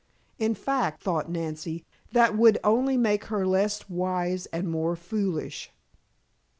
In fact, thought Nancy, that would only make her less wise and more foolish.